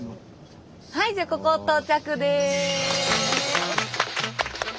はいじゃあここ到着です。